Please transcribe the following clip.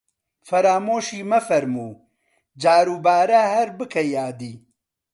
فەرامۆشی مەفەرموو، جاروبارە هەر بکە یادی